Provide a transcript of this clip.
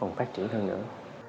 còn phát triển hơn nữa